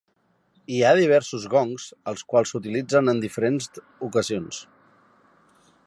Hi ha diversos gongs, els quals s'utilitzen en diferents ocasions.